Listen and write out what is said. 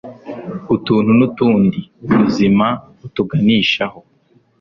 Utuntu n'Utundi ubuzima butuganishaho